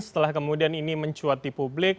setelah kemudian ini mencuat di publik